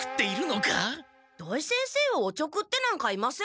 土井先生をおちょくってなんかいません。